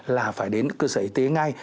là phải đến cơ sở y tế ngay